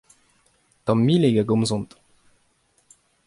Tamileg a gomzont.